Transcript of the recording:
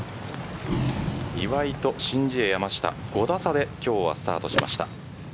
岩井と申ジエ、山下５打差で今日はスタートしました。